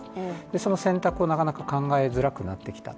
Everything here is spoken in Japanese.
その選択をなかなか考えづらくなってきたと。